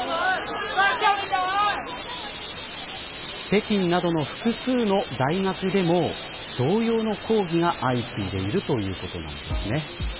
北京などの複数の大学でも同様の抗議が相次いでいるということなんですね。